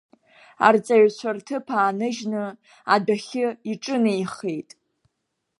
Арҵаҩцәа рҭыԥ ааныжьны адәахьы иҿынеихеит.